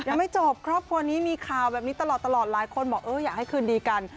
ยังไม่จบครอบครัวนี้มีข่าวแบบนี้ตลอดหลายคนบอกเอออยากให้คืนดีกัน